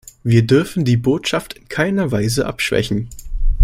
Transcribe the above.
Wir dürfen die Botschaft in keiner Weise abschwächen.